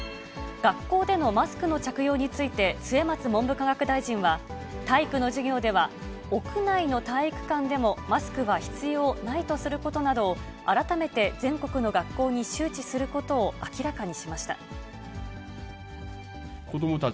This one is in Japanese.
学校でのマスクの着用について、末松文部科学大臣は、体育の授業では、屋内の体育館でもマスクは必要ないとすることなどを、改めて全国の学校に周知することを明らかにしました。